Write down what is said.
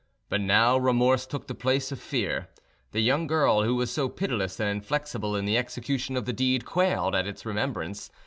But now remorse took the place of fear: the young girl who was so pitiless and inflexible in the execution of the deed quailed at its remembrance.